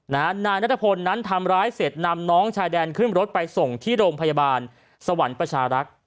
นายนัทพลนั้นทำร้ายเสร็จนำน้องชายแดนขึ้นรถไปส่งที่โรงพยาบาลสวรรค์ประชารักษ์